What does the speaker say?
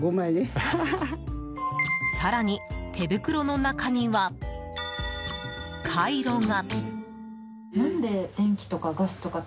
更に、手袋の中にはカイロが。